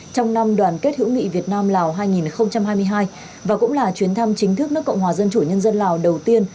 trong năm đoàn kết hữu nghị việt nam lào hai nghìn hai mươi hai và cũng là chuyến thăm chính thức nước cộng hòa dân chủ nhân dân lào đầu tiên